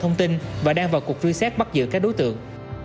giữa các đối tượng